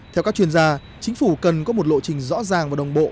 theo các chuyên gia chính phủ cần có một lộ trình rõ ràng và đồng bộ